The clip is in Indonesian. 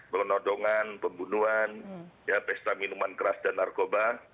penodongan pembunuhan pesta minuman keras dan narkoba